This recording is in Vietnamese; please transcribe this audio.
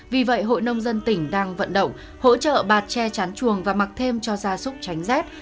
vì vậy hội nông dân tỉnh đang vận động hỗ trợ bạt che chắn chuồng và mặc thêm cho gia súc tránh rét